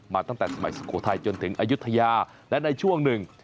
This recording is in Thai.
ตั้งแต่สมัยสุโขทัยจนถึงอายุทยาและในช่วงหนึ่ง